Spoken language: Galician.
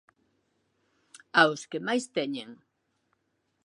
¡Aos que máis teñen!